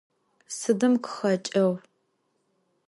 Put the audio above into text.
Sıdım khıxeç'eu?